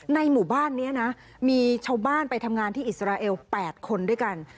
หมู่บ้านนี้นะมีชาวบ้านไปทำงานที่อิสราเอล๘คนด้วยกัน